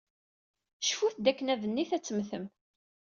Cfut dakken adennit ad temmtem.